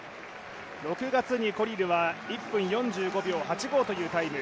６月にコリルは１分４５秒８５というタイム。